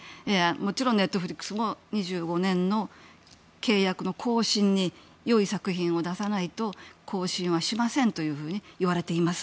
もちろんネットフリックスも２５年の契約の更新によい作品を出さないと更新はしませんと言われています。